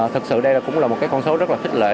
thực sự đây cũng là một con số rất là thích lệ